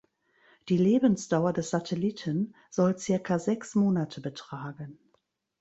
Die Lebensdauer des Satelliten soll circa sechs Monate betragen.